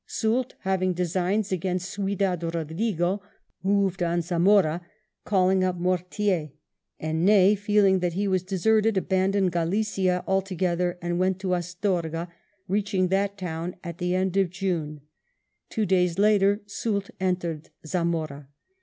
Soult, having designs against Ciudad Eodrigo, moved on Zamora, calling up Mortier; and Ney, feeling that he was deserted, aban doned Galicia entirely, and went to Astorga, reaching that town at the end of June; two days later, Soult entered Zamora.